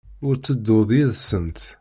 Ur ttedduɣ yid-sent.